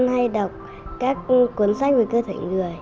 hay đọc các cuốn sách về cơ thể người